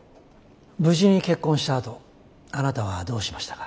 無事に結婚したあとあなたはどうしましたか？